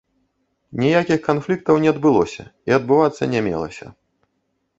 Ніякіх канфліктаў не адбылося і адбывацца не мелася.